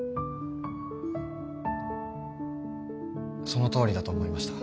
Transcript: そのとおりだと思いました。